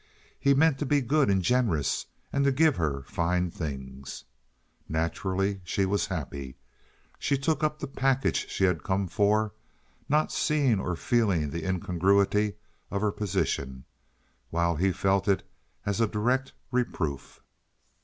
He meant to be good and generous, and to give her fine things. Naturally she was happy. She took up the package that she had come for, not seeing or feeling the incongruity of her position, while he felt it as a direct reproof.